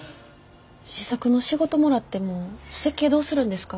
試作の仕事もらっても設計どうするんですか？